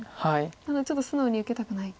ただちょっと素直に受けたくない。